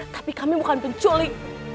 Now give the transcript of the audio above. tapi kami bukan pencuri